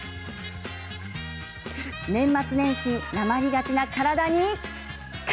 年末年始になまりがちな体に喝！